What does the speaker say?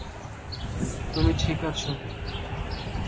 তুমি ঠিক আছো।